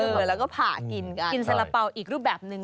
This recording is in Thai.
เออแล้วก็ผ่ากินสาระเป๋าอีกรูปแบบหนึ่ง